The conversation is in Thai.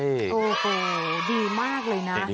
โอ้โหดีมากเลยนะ